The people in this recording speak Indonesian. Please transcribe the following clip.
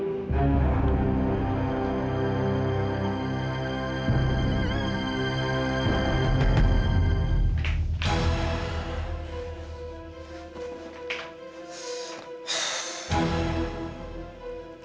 ini semua karena effendi itu sahabat kamu